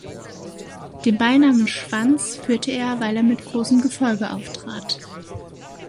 Den Beinamen "Schwanz" führte er, weil er mit großem Gefolge auftrat.